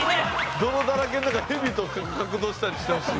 泥だらけの中蛇と格闘したりしてほしい。